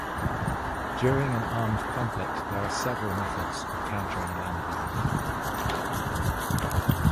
During an armed conflict there are several methods of countering land mines.